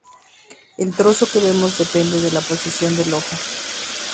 El trozo que vemos depende de la posición del ojo.